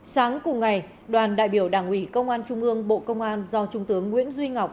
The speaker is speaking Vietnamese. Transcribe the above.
sáng cùng ngày đoàn đại biểu đảng ủy công an trung ương bộ công an do trung tướng nguyễn duy ngọc